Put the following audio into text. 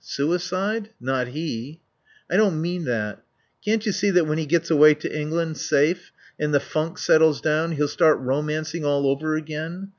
"Suicide? Not he." "I don't mean that. Can't you see that when he gets away to England, safe, and the funk settles down he'll start romancing all over again.